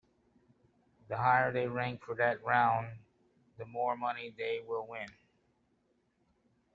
The higher they rank for that round the more money they will win.